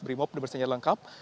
berimob sudah bersenjata lengkap